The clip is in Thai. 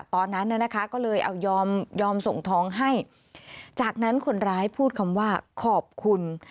ตอนนั้นน่ะนะคะก็เลยเอายอมยอมส่งทองให้จากนั้นคนร้ายพูดคำว่าขอบคุณ